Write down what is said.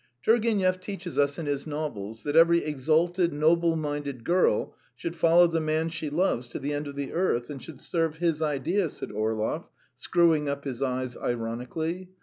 "Turgenev teaches us in his novels that every exalted, noble minded girl should follow the man she loves to the ends of the earth, and should serve his idea," said Orlov, screwing up his eyes ironically.